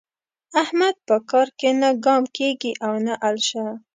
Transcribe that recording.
احمد په کار کې نه ګام کېږي او نه الشه.